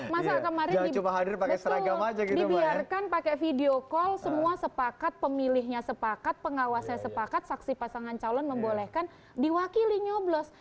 masa kemarin dibiarkan pakai video call semua sepakat pemilihnya sepakat pengawasnya sepakat saksi pasangan calon membolehkan diwakili nyoblos